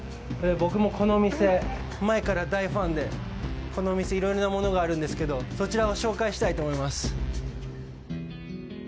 僕もこの店、前から大ファンで、この店いろんなものがあるんですけど、こちらを紹介したいと思います。